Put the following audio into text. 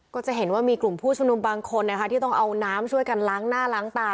ก็จะเห็นว่ามีกลุ่มผู้ชุมนุมบางคนนะคะที่ต้องเอาน้ำช่วยกันล้างหน้าล้างตา